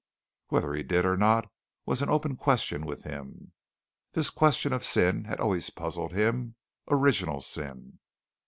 Whether he did or not was an open question with him. This question of sin had always puzzled him original sin.